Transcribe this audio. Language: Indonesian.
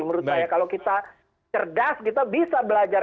menurut saya kalau kita cerdas kita bisa belajar